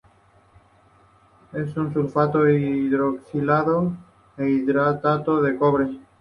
Es un sulfato hidroxilado e hidratado de cobre.